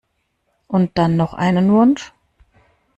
Und dann noch einen Wunsch?